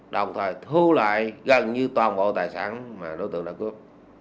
đồng thời thu lại gần như toàn bộ tài sản mà đối tượng đã cướp